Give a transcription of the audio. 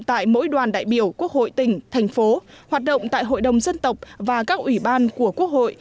tại mỗi đoàn đại biểu quốc hội tỉnh thành phố hoạt động tại hội đồng dân tộc và các ủy ban của quốc hội